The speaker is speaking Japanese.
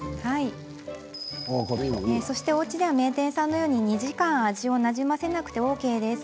そして、おうちでは名店さんのように２時間、味をなじませなくてＯＫです。